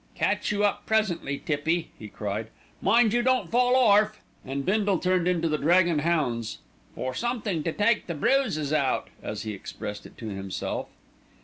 Catch you up presently, Tippy," he cried. "Mind you don't fall orf," and Bindle turned into The Drag and Hounds "for somethink to take the bruises out," as he expressed it to himself.